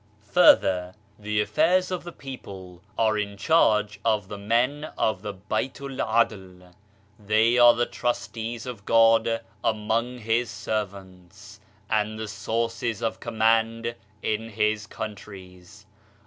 Further, "The affairs of the people are in charge of the Men of the Baitu'l 'Adl. They are the trustees of God among His servants and the sources of command in His countries.